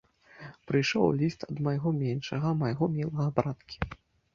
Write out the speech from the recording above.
Прыйшоў ліст ад майго меншага, майго мілага браткі.